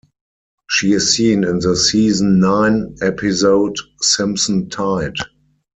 She is seen in the season nine episode "Simpson Tide".